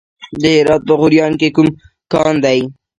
د هرات په غوریان کې کوم کان دی؟